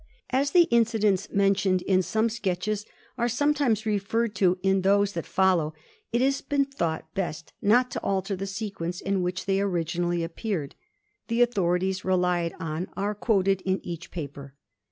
As the incidents mentioned in some sketches are sometimes referred to in those that follow, it has been thought best not to alter the sequence in which they originally appeared. The authorities relied on are quoted in each paper.